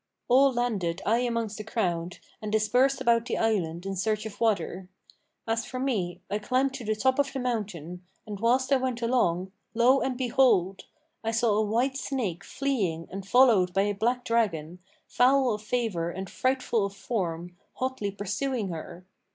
So all landed I amongst the crowd, and dispersed about the island in search of water. As for me, I climbed to the top of the mountain, and whilst I went along, lo and behold! I saw a white snake fleeing and followed by a black dragon, foul of favour and frightful of form, hotly pursuing her.